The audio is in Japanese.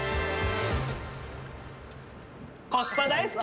コスパ大好き！